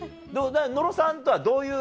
野呂さんとはどういう？